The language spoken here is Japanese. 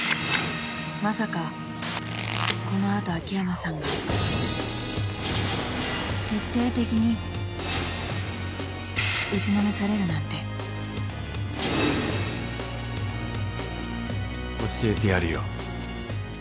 ［まさかこの後秋山さんが徹底的に打ちのめされるなんて］教えてやるよ。